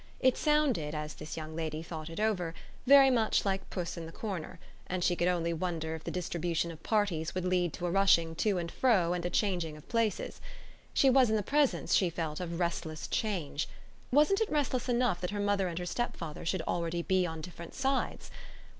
It sounded, as this young lady thought it over, very much like puss in the corner, and she could only wonder if the distribution of parties would lead to a rushing to and fro and a changing of places. She was in the presence, she felt, of restless change: wasn't it restless enough that her mother and her stepfather should already be on different sides?